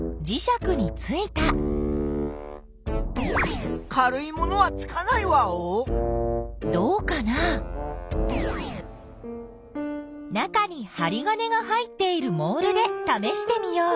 中にはり金が入っているモールでためしてみよう。